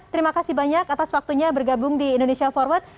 terima kasih banyak atas waktunya bergabung di indonesia forward